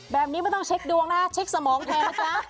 แบบนี้ไม่ต้องเช็คดวงนะเช็คสมองแทนนะจ๊ะ